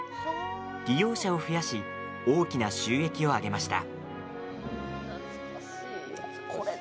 利用者を増やし大きな収益を上げました。